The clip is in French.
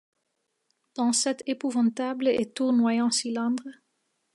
Dans cet épouvantable et tournoyant cylindre